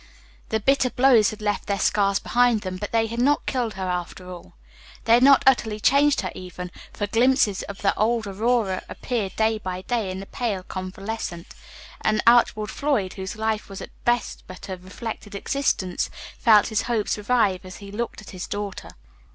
The bitter blows had left their scars behind them, but they had not killed her after all. They had not utterly changed her even, for glimpses of the old Aurora appeared day by day in the pale convalescent; and Archibald Floyd, whose life was at best but a reflected existence, felt his hopes revive as he looked at his daughter.